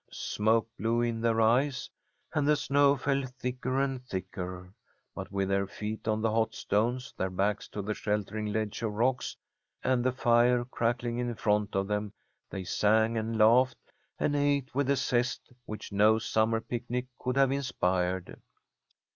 Smoke blew in their eyes, and the snow fell thicker and thicker. But, with their feet on the hot stones, their backs to the sheltering ledge of rocks, and the fire crackling in front of them, they sang and laughed and ate with a zest which no summer picnic could have inspired.